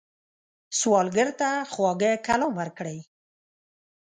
سوالګر ته خواږه کلام ورکوئ